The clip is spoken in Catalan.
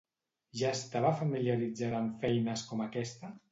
Ja estava familiaritzada amb feines com aquesta?